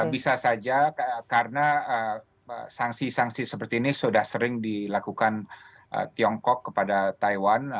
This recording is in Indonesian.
bisa saja karena sanksi sanksi seperti ini sudah sering dilakukan tiongkok kepada taiwan